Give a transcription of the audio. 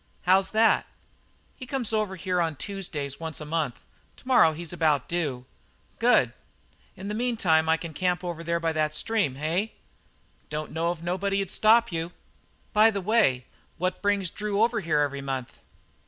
"How's that?" "He comes over here on Tuesdays once a month; to morrow he's about due." "Good. In the meantime I can camp over there by that stream, eh?" "Don't know of nobody who'd stop you." "By the way, what brings Drew over here every month?"